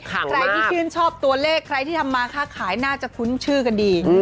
ใครที่ชื่นชอบตัวเลขใครที่ทำมาค่าขายน่าจะคุ้นชื่อกันดี